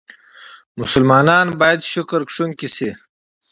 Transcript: مسلمانان بايد شکرکښونکي سي.